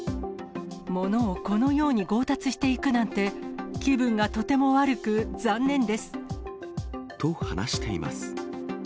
物をこのように強奪していくなんて、気分がとても悪く、残念です。と、話しています。